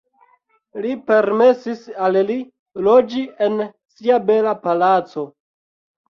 Li permesis al li loĝi en sia bela palaco.